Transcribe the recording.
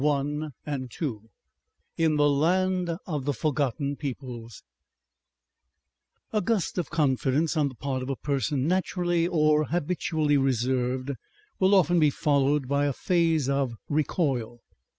CHAPTER THE FIFTH IN THE LAND OF THE FORGOTTEN PEOPLES Section 1 A gust of confidence on the part of a person naturally or habitually reserved will often be followed by a phase of recoil.